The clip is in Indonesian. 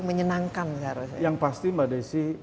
menyenangkan yang pasti mbak desy